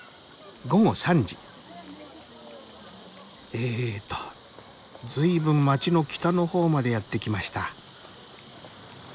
えっと随分街の北の方までやって来ました。